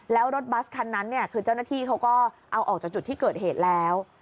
แล้วรถบัสคันนั้นเนี่ยคือเจ้าหน้าที่เขาก็เอาออกจากจุดที่เกิดเหตุแล้ว